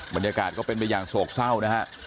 บรรยากาศก็เป็นไปอย่างโศกเศร้านะฮะ